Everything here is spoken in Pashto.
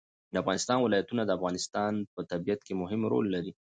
د افغانستان ولايتونه د افغانستان په طبیعت کې مهم رول لري.